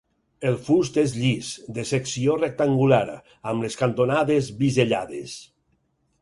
El fust és llis, de secció rectangular, amb les cantonades bisellades.